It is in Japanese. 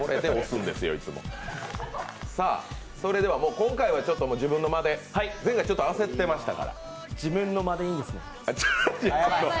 今回は自分の間で前回はちょっと焦ってましたから自分の間でいいんですね？